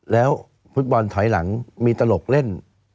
แล้วฟุตบอลถอยหลังมีตลกเล่น